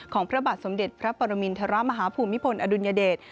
พระบาทสมเด็จพระปรมินทรมาฮภูมิพลอดุลยเดช